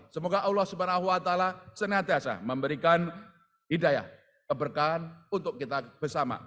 semoga allah swt senantiasa memberikan hidayah keberkahan untuk kita bersama